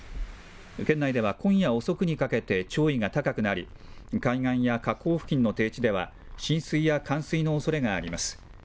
県内では今夜遅くにかけて、潮位が高くなり、海岸や河口付近の低地では、浸水や冠水のおそれがあります。